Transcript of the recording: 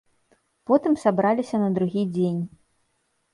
Потым сабраліся на другі дзень.